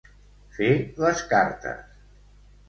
Fer les cartes.